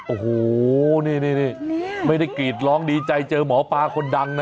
โอ้โหนี่ไม่ได้กรีดร้องดีใจเจอหมอปลาคนดังนะ